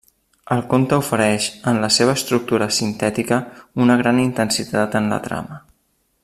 El conte ofereix, en la seva estructura sintètica, una gran intensitat en la trama.